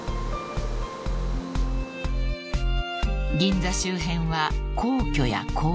［銀座周辺は皇居や公園